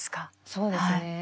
そうですね。